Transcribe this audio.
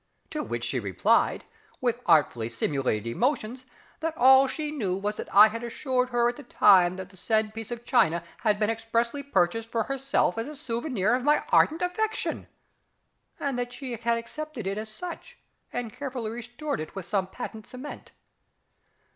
To which she replied, with artfully simulated emotion, that all she knew was that I had assured her at the time that the said piece of china had been expressly purchased for herself as a souvenir of my ardent affection, and she had accepted it as such, and carefully restored it with some patent cement.